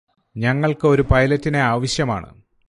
ഞങ്ങള്ക്ക് ഒരു പൈലറ്റിനെ ആവശ്യമാണ്